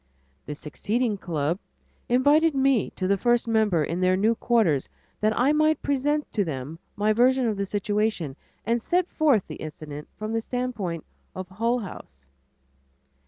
The seceding club invited me to the first meeting in their new quarters that I might present to them my version of the situation and set forth the incident from the standpoint of Hull House.